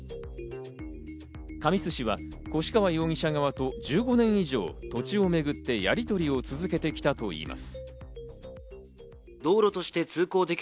神栖市は越川容疑者側と１５年以上、土地をめぐってやりとりを続けてきたといいます。